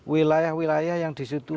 wilayah wilayah yang di situ